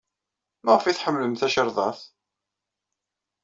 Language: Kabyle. Maɣef ay tḥemmlem tacirḍart?